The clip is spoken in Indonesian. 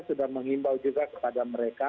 sudah menghimbau juga kepada mereka